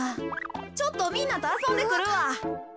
ちょっとみんなとあそんでくるわ。